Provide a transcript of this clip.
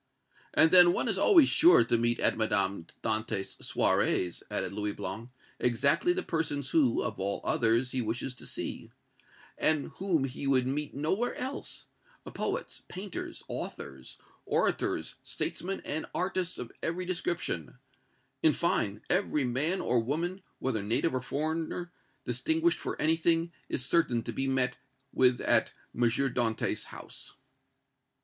"And then one is always sure to meet at Madame Dantès' soirées," added Louis Blanc, "exactly the persons who, of all others, he wishes to see, and whom he would meet nowhere else, poets, painters, authors, orators, statesmen and artists of every description in fine, every man or woman, whether native or foreigner, distinguished for anything, is certain to be met with at M. Dantès' house."